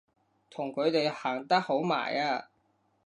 同佢哋行得好埋啊！